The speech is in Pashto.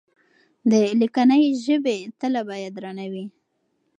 د ليکنۍ ژبې تله بايد درنه وي.